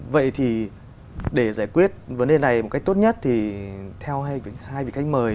vậy thì để giải quyết vấn đề này một cách tốt nhất thì theo hai vị khách mời